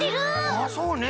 あそうね。